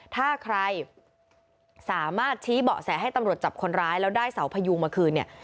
ถ้าใครสามารถชี้เบาะแสให้ตำรวจจับคนร้ายแล้วได้เสาพยุงมาคืนเนี่ย